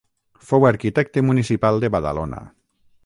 Fou arquitecte municipal de Badalona.